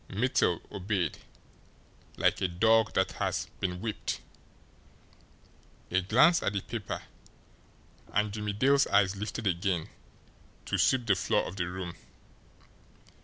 Mittel obeyed like a dog that has been whipped. A glance at the paper, and Jimmie Dale's eyes lifted again to sweep the floor of the room.